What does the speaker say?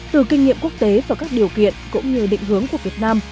từ kinh nghiệm quốc tế và các điều kiện cũng như định hướng của việt nam